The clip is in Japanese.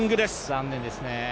残念ですね。